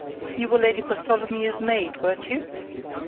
You were Lady Bartholomew's maid weren't you?"